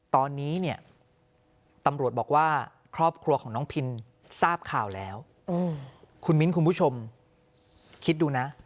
ตอนนี้เนี่ยตำรวจบอกว่าครอบครัวของน้องพินทราบข่าวแล้วคุณมิ้นคุณผู้ชมคิดดูนะ